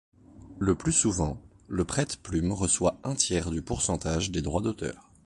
Le plus souvent, le prête-plume reçoit un tiers du pourcentage des droits d’auteur.